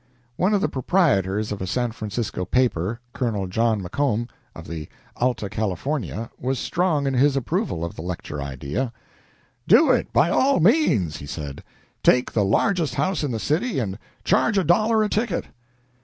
One of the proprietors of a San Francisco paper, Col. John McComb, of the "Alta California," was strong in his approval of the lecture idea. "Do it, by all means," he said. "Take the largest house in the city, and charge a dollar a ticket."